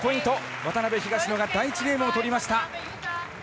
渡辺、東野が第１ゲームを取りました。